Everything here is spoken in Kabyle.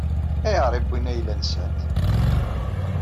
Ayɣer i wwin ayla-nsent?